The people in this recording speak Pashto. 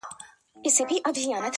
زه چي سهار له خوبه پاڅېږمه.